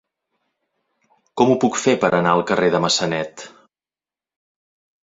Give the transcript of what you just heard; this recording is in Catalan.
Com ho puc fer per anar al carrer de Massanet?